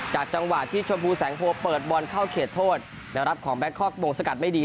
จากจังหวะที่ชวบูร์แสงโภกษ์เปิดบอลเข้าเขตโทษแนวรับของแบงคอกมงสกัดไม่ดี